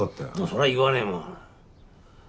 そりゃ言わねえもん。